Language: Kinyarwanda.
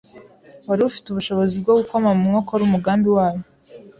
wari ufite ubushobozi bwo gukoma mu nkokora umugambi wayo